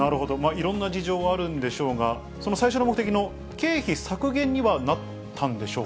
いろんな事情があるんでしょうが、最初の目的の経費削減にはなったんでしょうか。